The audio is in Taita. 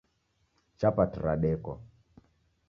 Chapati radekwa